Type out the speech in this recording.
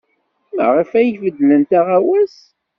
Maɣef ay beddlent aɣawas?